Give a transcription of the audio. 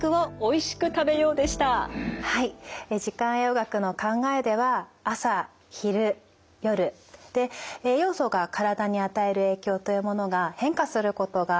時間栄養学の考えでは朝昼夜で栄養素が体に与える影響というものが変化することが分かっております。